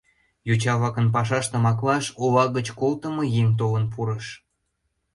Йоча-влакын пашаштым аклаш ола гыч колтымо еҥ толын пурыш.